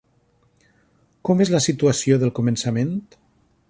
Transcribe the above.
Com és la situació del començament?